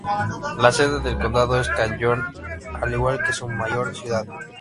La sede del condado es Canyon, al igual que su mayor ciudad.